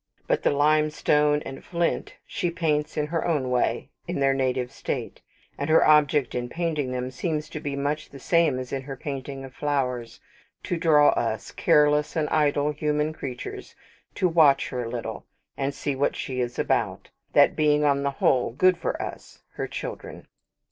But the limestone and flint she paints, in her own way, in their native state: and her object in painting them seems to be much the same as in her painting of flowers; to draw us, careless and idle human creatures, to watch her a little, and see what she is about that being on the whole good for us, her children.